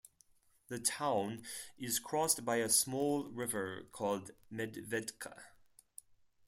The town is crossed by a small river called Medvedca.